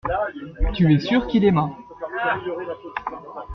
Tu es sûr qu’il aima.